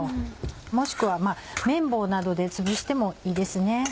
もしくは麺棒などでつぶしてもいいですね。